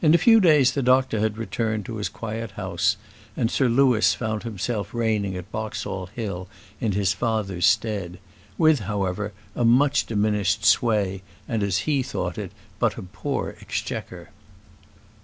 In a few days the doctor had returned to his quiet home, and Sir Louis found himself reigning at Boxall Hill in his father's stead with, however, a much diminished sway, and, as he thought it, but a poor exchequer.